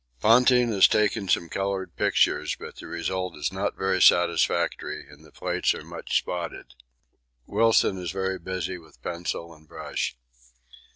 Ponting has taken some coloured pictures, but the result is not very satisfactory and the plates are much spotted; Wilson is very busy with pencil and brush.